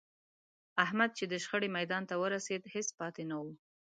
احمد چې د شخړې میدان ته ورسېد، هېڅ پاتې نه و.